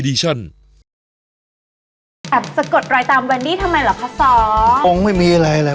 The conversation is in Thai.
ไม่จำเป็นต้องใช้ยาเสน่ห์